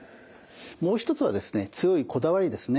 もう一つはですね強いこだわりですね。